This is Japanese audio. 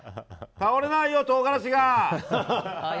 倒れないよ、唐辛子が！